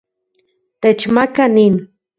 Techmaka nin